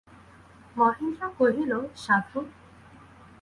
মহেন্দ্র কহিল, সাধু!